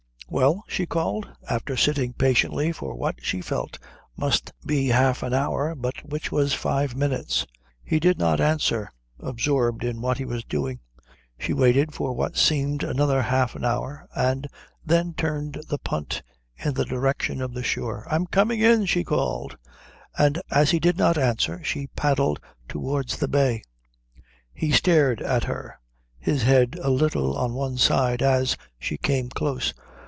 "Well?" she called, after sitting patiently for what she felt must be half an hour but which was five minutes. He did not answer, absorbed in what he was doing. She waited for what seemed another half hour, and then turned the punt in the direction of the shore. "I'm coming in," she called; and as he did not answer she paddled towards the bay. He stared at her, his head a little on one side, as she came close.